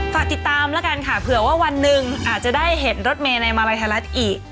ฝากติดตามแล้วกันค่ะเผื่อว่าวันหนึ่งอาจจะได้เห็นรถเมย์ในมาลัยไทยรัฐอีก